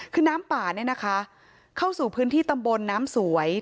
คือน้ำป่าเนี่ยนะคะเข้าสู่พื้นที่ตำบลน้ำสวย